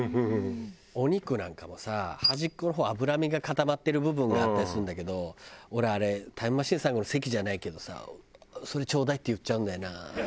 お肉なんかもさ端っこの方脂身が固まってる部分があったりするんだけど俺あれタイムマシーン３号の関じゃないけどさ「それちょうだい」って言っちゃうんだよな。